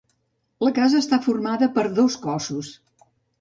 La casa està formada per dos cossos.